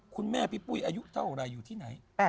คุณแม่พี่ปุ้ยอายุเท่าไรอยู่ที่ไหน